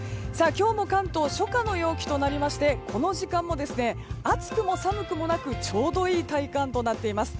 今日も関東初夏の陽気となりましてこの時間も暑くも寒くもなくちょうどいい体感となっています。